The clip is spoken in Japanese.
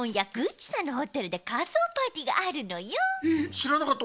しらなかった。